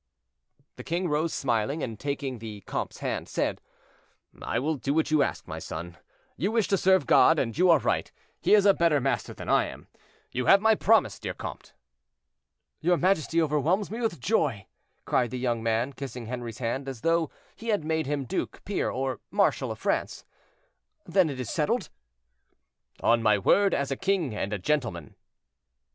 The king rose smiling, and taking the comte's hand, said— "I will do what you ask, my son. You wish to serve God, and you are right; he is a better master than I am. You have my promise, dear comte." "Your majesty overwhelms me with joy," cried the young man, kissing Henri's hand as though he had made him duke, peer, or marshal of France. "Then it is settled?" "On my word as a king and a gentleman."